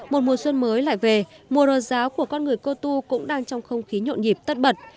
một mùa xuân mới lại về mùa rờ giáo của con người cô tu cũng đang trong không khí nhộn nhịp tất bật